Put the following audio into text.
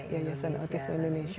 yayasan autisme indonesia